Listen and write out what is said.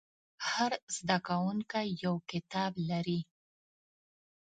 هر زده کوونکی یو کتاب لري.